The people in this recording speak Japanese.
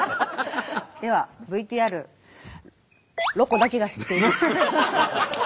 ではＶＴＲ「ロコだけが知っている」。